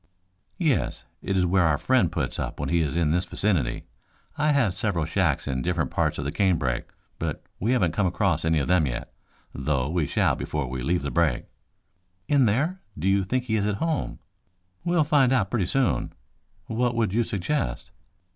"Yes. It is where our friend puts up when he is in this vicinity. I have several shacks in different parts of the canebrake, but we haven't come across any of them yet, though we shall before we leave the brake." "In there? Do you think he is at home?" "We'll find out pretty soon. What would you suggest?"